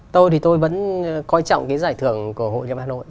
tôi thì tôi vẫn coi trọng cái giải thưởng của hội nhà văn hội